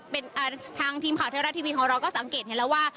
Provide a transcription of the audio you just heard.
เป็นทางทีมข่าวเทวรัฐทีวีของเราก็สังเกตเห็นแล้วว่า